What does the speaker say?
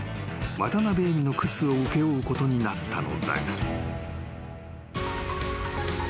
渡辺恵美のクラスを請け負うことになったのだが］